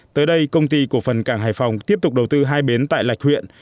tới đây công ty cổ phần cảng hải phòng tiếp tục đầu tư hai bến tại lạch huyện